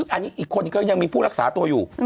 อันนี้อีกคนก็ยังมีผู้รักษาตัวอยู่